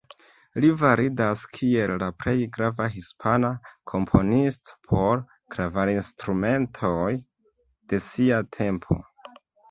Li validas kiel la plej grava Hispana komponisto por klavarinstrumentoj de sia tempo.